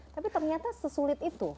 tapi ternyata sesulit itu